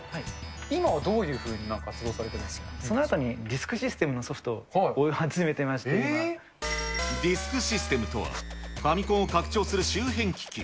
今はどういうふうに活動されそのあとにディスクシステムディスクシステムとは、ファミコンを拡張する周辺機器。